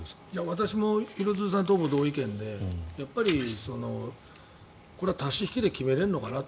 私も廣津留さんとほぼ同意見でやっぱり、これは足し引きで決められるのかと。